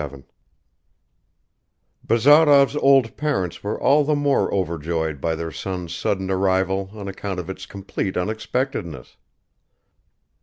Chapter 27 BAZAROV'S OLD PARENTS WERE ALL THE MORE OVERJOYED BY their son's sudden arrival on account of its complete unexpectedness.